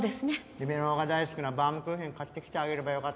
リベロウが大好きなバウムクーヘン買ってきてあげればよかったかな。